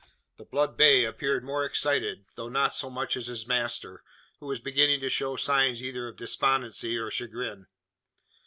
The blood bay appeared more excited, though not so much as his master; who was beginning to show signs either of despondency or chagrin.